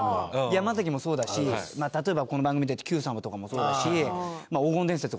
山崎もそうだしまあ例えばこの番組『Ｑさま！！』とかもそうだし『黄金伝説』とかもそうだけど。